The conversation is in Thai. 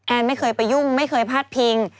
ไม่เคยไปยุ่งไม่เคยพาดพิง